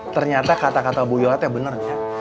ternyata kata kata bu yohatnya bener